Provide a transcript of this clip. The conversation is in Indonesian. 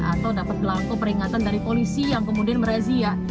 atau dapat belangko peringatan dari polisi yang kemudian merazia